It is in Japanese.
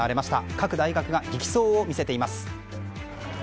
各大学が激走を見せています。